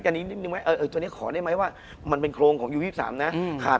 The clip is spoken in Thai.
คุณผู้ชมบางท่าอาจจะไม่เข้าใจที่พิเตียร์สาร